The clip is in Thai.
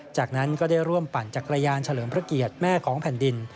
จากนั้นก็ได้ร่วมปั่นจักรยานเฉลิมพระเกียรติแม่ของแผ่นดิน